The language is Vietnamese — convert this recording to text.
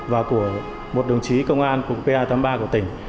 và của một đồng chí công an của p a tám mươi ba của tỉnh